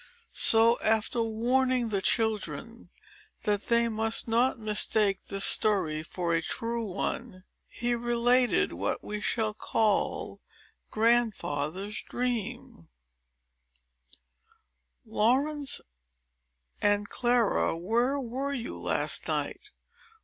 So, after warning the children that they must not mistake this story for a true one, he related what we shall call,— GRANDFATHER'S DREAM Laurence and Clara, where were you last night?